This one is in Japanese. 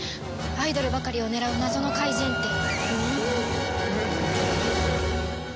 アイドルばかりを狙う謎の怪人って。